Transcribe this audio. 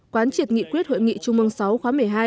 quán triệt nghị quyết hội nghị trung mương sáu khóa một mươi hai